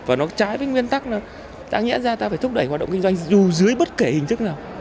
và nó trái với nguyên tắc là ta nghĩ ra ta phải thúc đẩy hoạt động kinh doanh dù dưới bất kể hình thức nào